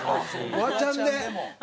フワちゃんでも。